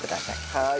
はい。